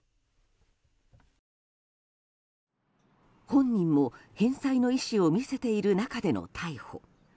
本人も、返済の意思を見せている中での逮捕。